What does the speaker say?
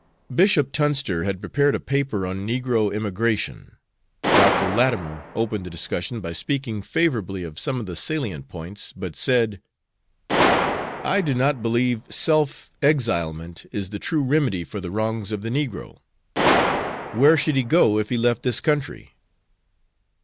Bishop Tunster had prepared a paper on "Negro Emigration." Dr. Latimer opened the discussion by speaking favorably of some of the salient points, but said: "I do not believe self exilement is the true remedy for the wrongs of the negro. Where should he go if he left this country?"